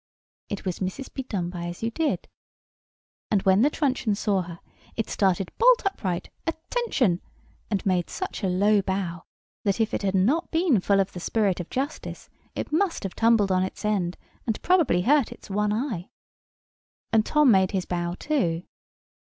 It was Mrs. Bedonebyasyoudid. And, when the truncheon saw her, it started bolt upright—Attention!—and made such a low bow, that if it had not been full of the spirit of justice, it must have tumbled on its end, and probably hurt its one eye. And Tom made his bow too.